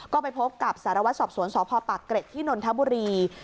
ก็ไปพบกับสารวัตรสอบสวนสพปากเกร็ดที่นนทบุรี